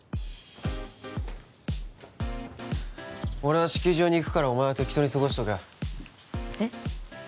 俺は式場に行くからお前は適当にすごしとけえっ？